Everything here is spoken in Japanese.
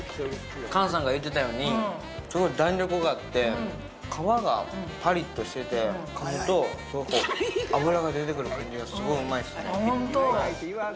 菅さんが言ってたようにすごい弾力があって皮がパリッとしてて噛むとその脂が出てくる感じがすごいうまいっすねあっホント？